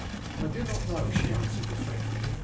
"I do not know," she answered reflectively.